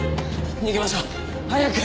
逃げましょう！早く！